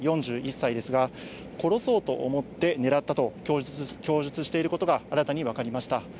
４１歳ですが、殺そうと思って狙ったと供述していることが新たに分かりました。